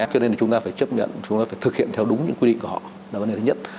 cho nên chúng ta phải chấp nhận chúng ta phải thực hiện theo đúng những quy định của họ là vấn đề thứ nhất